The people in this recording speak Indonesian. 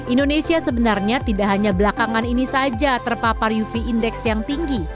indonesia sebenarnya tidak hanya belakangan ini saja terpapar uv index yang tinggi